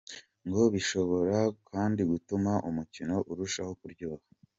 Ngo bishobora kandi gutuma umukino urushaho kuryoha.